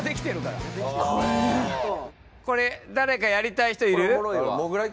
これ誰かやりたい人いる？